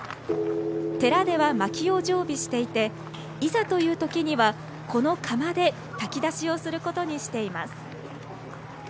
寺では、まきを常備していていざというときには、この釜で炊き出しをすることにしています。